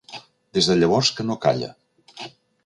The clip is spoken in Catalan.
Des de llavors que no calla.